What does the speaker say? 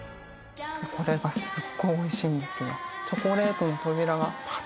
これがすっごいおいしいんですよ